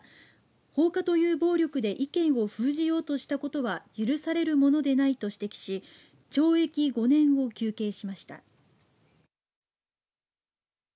放火という暴力で意見を封じようとしたことは許されるものでないと指摘し懲役５年を求刑しました。